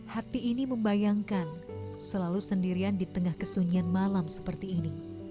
hati ini membayangkan selalu sendirian di tengah kesunyian malam seperti ini